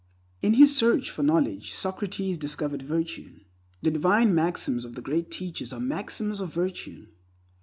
In his search for knowledge Socrates discovered virtue. The divine maxims of the Great Teachers are maxims of virtue.